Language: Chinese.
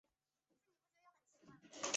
拟长毛锥花为唇形科锥花属下的一个种。